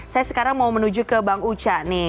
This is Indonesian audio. saya sekarang mau menuju ke bang uca nih